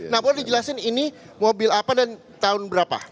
nah boleh dijelasin ini mobil apa dan tahun berapa